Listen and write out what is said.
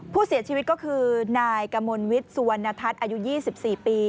ผู้เสียชีวิตก็คือนายกมลวิทย์สุวรรณทัศน์อายุ๒๔ปี